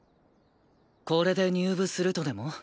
これで入部するとでも？